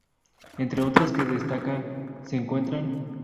Entre otras que destaca se encuentran.